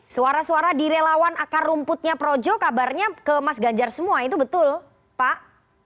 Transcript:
suara suara di relawan akar rumputnya projo kabarnya ke mas ganjar semua itu betul pak